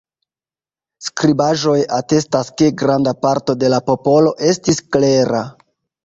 Skribaĵoj atestas, ke granda parto de la popolo estis klera.